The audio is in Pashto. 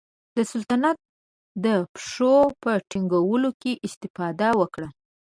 د سلطنت د پښو په ټینګولو کې استفاده وکړه.